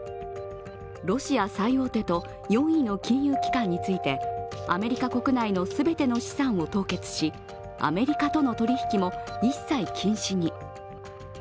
ロシア最大手と４位の金融機関について、アメリカ国内の全ての資産を凍結し、アメリカとの取り引きも一切禁止に。